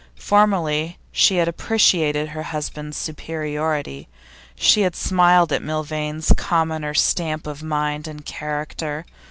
Formerly she had appreciated her husband's superiority; she had smiled at Milvain's commoner stamp of mind and character.